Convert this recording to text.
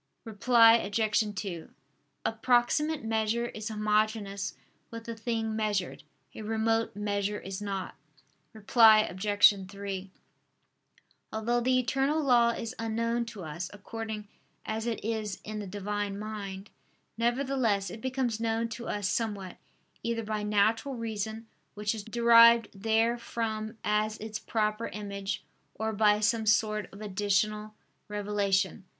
Reply Obj. 2: A proximate measure is homogeneous with the thing measured; a remote measure is not. Reply Obj. 3: Although the eternal law is unknown to us according as it is in the Divine Mind: nevertheless, it becomes known to us somewhat, either by natural reason which is derived therefrom as its proper image; or by some sort of additional revelation.